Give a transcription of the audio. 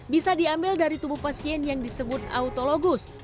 bisa diambil dari tubuh pasien yang disebut autologus